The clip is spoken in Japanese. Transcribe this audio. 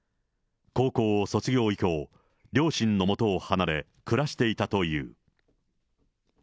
高校卒業以降、両親のもとを離れ、暮らしていたという。